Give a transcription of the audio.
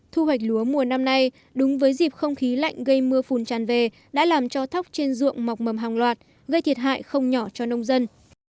thu hoạch lúa mùa năm nay đúng với dịp không khí lạnh gây mưa phùn tràn về đã làm cho thóc trên ruộng mọc mầm hàng loạt gây thiệt hại không nhỏ cho nông dân